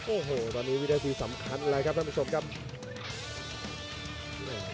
โอ้โหตอนนี้วินาทีสำคัญแล้วครับท่านผู้ชมครับ